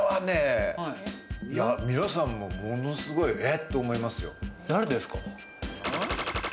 皆さんもものすごいって思いますよ。